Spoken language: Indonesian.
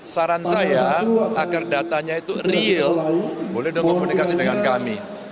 saran saya agar datanya itu real boleh dong komunikasi dengan kami